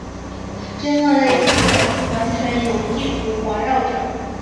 真鳄类的内鼻孔完全由翼骨环绕者。